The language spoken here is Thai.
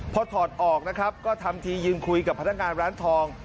พอถอดออกนะครับก็ทำทียืนคุยกับพนักงานร้านทอง